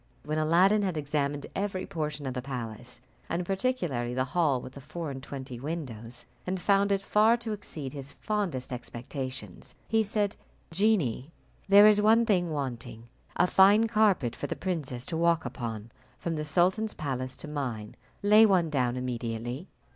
When Aladdin had examined every portion of the palace, and particularly the hall with the four and twenty windows, and found it far to exceed his fondest expectations, he said, "Genie, there is one thing wanting, a fine carpet for the princess to walk upon from the sultan's palace to mine. Lay one down immediately."